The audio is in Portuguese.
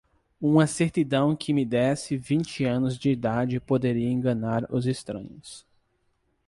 Uma certidão que me desse vinte anos de idade poderia enganar os estranhos